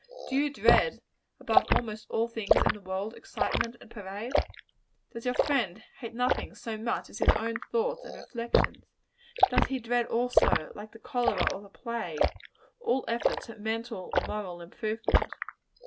Do you dread, above almost all things in the world, excitement and parade? Does your friend hate nothing so much as his own thoughts and reflections? Does he dread, also, like the cholera or the plague, all efforts at mental or moral improvement?